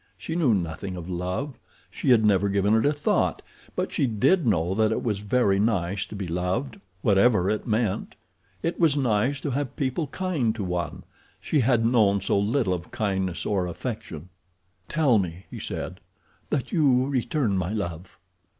She knew nothing of love. She had never given it a thought; but she did know that it was very nice to be loved, whatever it meant. It was nice to have people kind to one. She had known so little of kindness or affection. "Tell me," he said, "that you return my love."